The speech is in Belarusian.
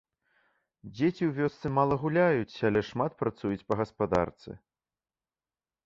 Дзеці ў вёсцы мала гуляюць, але шмат працуюць па гаспадарцы.